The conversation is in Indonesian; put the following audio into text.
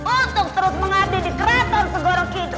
untuk terus mengabdi di keraton segorok itu